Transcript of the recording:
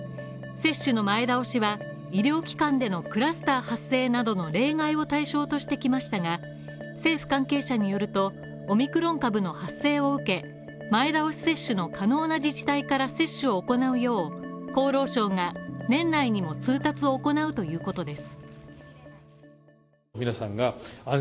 接種の前倒しは医療機関でのクラスター発生などの例外を対象としてきましたが、政府関係者によると、オミクロン株の発生を受け、前倒し接種の可能な自治体から接種を行うよう、厚労省が年内にも通達を行うということです。